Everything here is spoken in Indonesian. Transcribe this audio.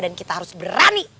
dan kita harus berani